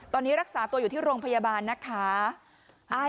ตอนนี้รักษาตัวอยู่ที่โรงพยาบาลนะคะ